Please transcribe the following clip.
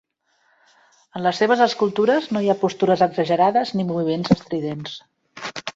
En les seves escultures no hi ha postures exagerades, ni moviments estridents.